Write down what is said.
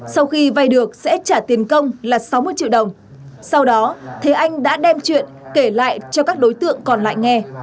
sau khi vay được sẽ trả tiền công là sáu mươi triệu đồng sau đó thế anh đã đem chuyện kể lại cho các đối tượng còn lại nghe